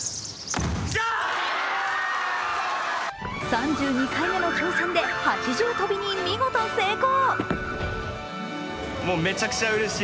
３２回目の挑戦で８重跳びに見事成功。